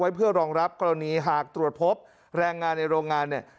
เพื่อรองรับกรณีหากตรวจพบแรงงานในโรงงานเนี่ย